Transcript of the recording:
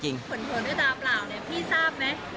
เขินด้วยตาเปล่าเนี่ยพี่ทราบไหม